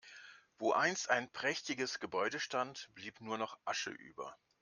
Wo einst ein prächtiges Gebäude stand, blieb nur noch Asche über.